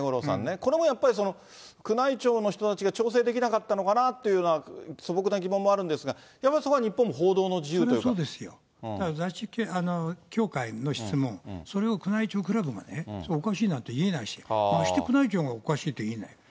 これもやっぱり、宮内庁の人たちが調整できなかったのかなっていうのは、素朴な疑問もあるんですが、それはそうですよ、雑誌協会の質問、それを宮内庁クラブがおかしいなって言えないし、まして宮内庁もおかしいなと言えない。